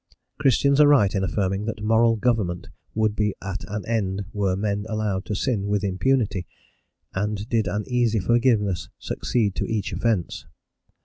Christians are right in affirming that moral government would be at an end were men allowed to sin with impunity, and did an easy forgiveness succeed to each offence.